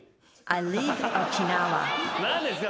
何ですか？